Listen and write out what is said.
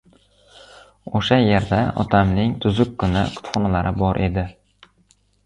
O‘sha yerda otamning tuzukkina kutubxonalari bor edi.